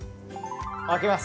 開けます！